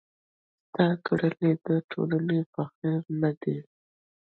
ستا کړني د ټولني په خير نه دي.